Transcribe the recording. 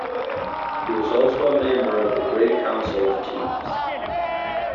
He was also a member of the Great Council of Chiefs.